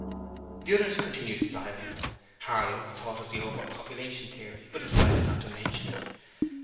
The others continued silent. Harlow thought of the over population theory, but decided not to mention it.